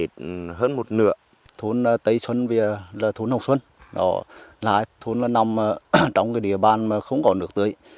thôn nó nằm trong cái địa bàn mà không có nước tưới